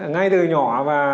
ngay từ nhỏ và